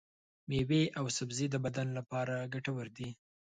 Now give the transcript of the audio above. ميوې او سبزي د بدن لپاره ګټورې دي.